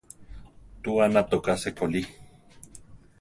Tuána toká sekorí.